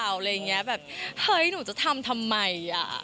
อะไรอย่างเงี้ยแบบเฮ้ยหนูจะทำทำไมอ่ะ